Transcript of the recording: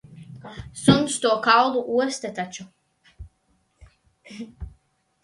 Suns to kaulu osta taču.